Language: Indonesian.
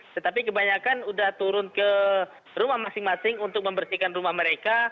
tetapi kebanyakan sudah turun ke rumah masing masing untuk membersihkan rumah mereka